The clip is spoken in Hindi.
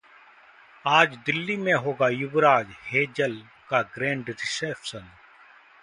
आज दिल्ली में होगा युवराज-हेजल का ग्रैंड रिसेप्शन